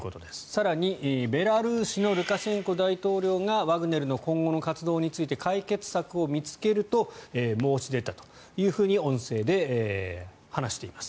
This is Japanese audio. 更に、ベラルーシのルカシェンコ大統領がワグネルの今後の活動について解決策を見つけると申し出たというふうに音声で話しています。